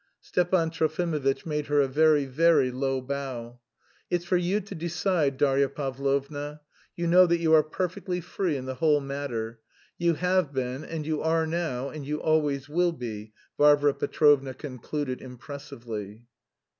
Stepan Trofimovitch made her a very, very low bow. "It's for you to decide, Darya Pavlovna; you know that you are perfectly free in the whole matter! You have been, and you are now, and you always will be," Varvara Petrovna concluded impressively.